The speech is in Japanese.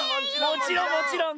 もちろんもちろん。